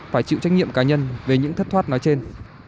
phải chịu trách nhiệm cá nhân về những thất thoát nói trên